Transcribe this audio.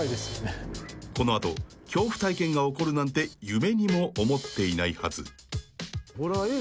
［この後恐怖体験が起こるなんて夢にも思っていないはず］